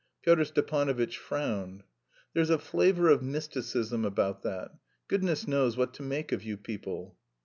Pyotr Stepanovitch frowned. "There's a flavour of mysticism about that; goodness knows what to make of you people!"